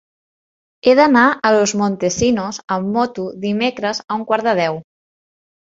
He d'anar a Los Montesinos amb moto dimecres a un quart de deu.